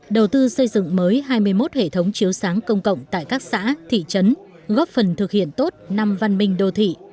đầu tư xây dựng mới hai mươi một hệ thống chiếu sáng công cộng tại các xã thị trấn góp phần thực hiện tốt năm văn minh đô thị